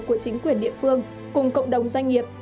của chính quyền địa phương cùng cộng đồng doanh nghiệp